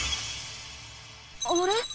あれ？